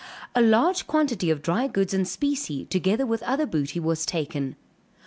A large quantity of dry goods and specie together with other booty was taken.